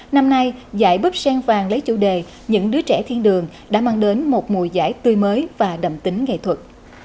năm nay giải bức sen vàng lấy chủ đề những đứa trẻ thiên đường đã mang đến một mùa giải tươi mới và đậm tính nghệ thuật